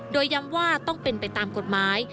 โดยย้ำว่าต้องเป็นไปตามกฎหมาย